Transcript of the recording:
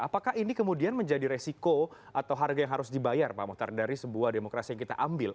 apakah ini kemudian menjadi resiko atau harga yang harus dibayar pak muhtar dari sebuah demokrasi yang kita ambil